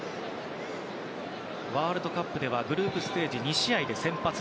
ワールドカップではグループステージ２試合で先発。